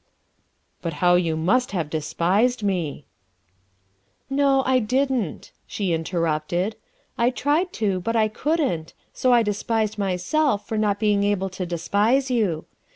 " But how you must have despised me." THE SECRETARY OF STATE 353 " No, I didn't," she interrupted; " I tried to, but I couldn't, so I despised myself for not being able to despise you.